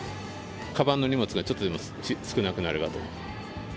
かばんの荷物がちょっとでも少なくなればと思って。